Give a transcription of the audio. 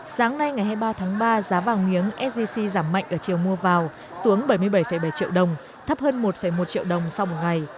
sáng nay ngày hai mươi ba tháng ba giá vàng miếng sgc giảm mạnh ở chiều mua vào xuống bảy mươi bảy bảy triệu đồng thấp hơn một một triệu đồng sau một ngày